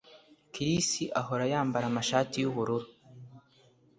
Chris ahora yambara amashati yubururu